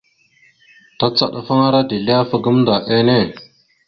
Tacaɗafaŋara dezl ahaf gamənda enne.